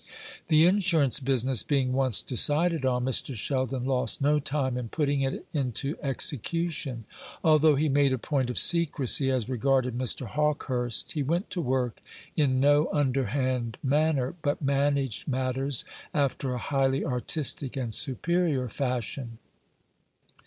The insurance business being once decided on, Mr. Sheldon lost no time in putting it into execution. Although he made a point of secrecy as regarded Mr. Hawkehurst, he went to work in no underhand manner, but managed matters after a highly artistic and superior fashion.